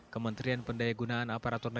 kementerian pendaya gunaan aparatur negara